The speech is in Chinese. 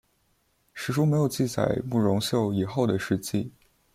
史书没有记载慕容秀以后的事迹。